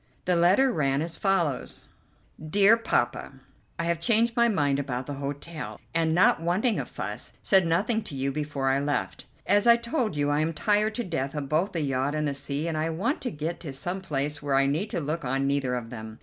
The letter ran as follows: "DEAR POPPA: "I have changed my mind about the hotel, and, not wanting a fuss, said nothing to you before I left. As I told you, I am tired to death of both the yacht and the sea, and I want to get to some place where I need look on neither of them.